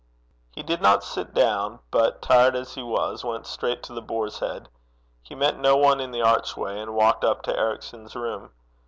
He did not sit down, but, tired as he was, went straight to The Boar's Head. He met no one in the archway, and walked up to Ericson's room.